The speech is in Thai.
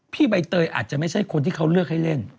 ใบเตยอาจจะไม่ใช่คนที่เขาเลือกให้เล่น